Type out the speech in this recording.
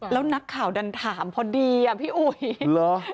แล้วนักข่าวดันถามพอดีพี่อุ๋ย